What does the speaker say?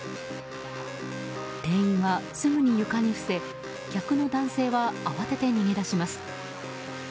店員はすぐに床にふせ客の男性は慌てて逃げ出します。